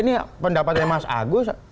ini pendapatnya mas agus